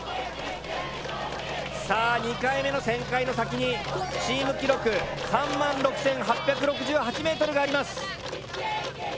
さあ２回目の旋回の先にチーム記録３６８６８ｍがあります。